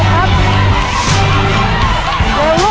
ไปเร็วลูก